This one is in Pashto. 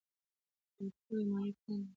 بریالي خلک مالي پلان لري.